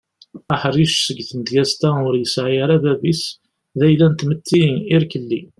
Aḥric seg tmedyaz-a ur yesɛi ara bab-is d ayla n tmetti irkeli.